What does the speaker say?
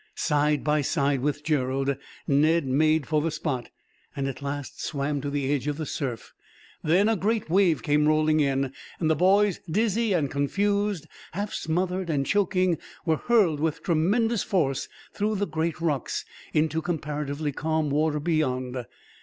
Side by side with Gerald, Ned made for the spot, and at last swam to the edge of the surf. Then a great wave came rolling in, and the boys, dizzy and confused, half smothered and choking, were hurled with tremendous force, through the great rocks, into comparatively calm water beyond.